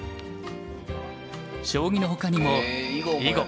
将棋の他にも囲碁。